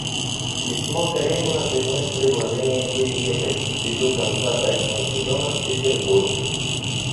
Письмо Каренина жене с предложением переехать, в виду конца дачного сезона, в Петербург.